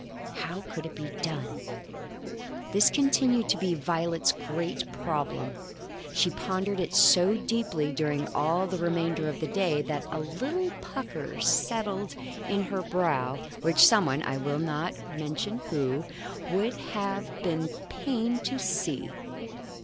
How could it be done? This continued to be Violet's great problem. She pondered it so deeply during all the remainder of the day that a little pucker settled on her brow, which someone (I will not mention who) would have been pained to see.